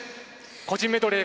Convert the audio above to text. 個人メドレー